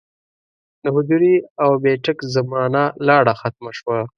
د حجرې او بېټک زمانه لاړه ختمه شوه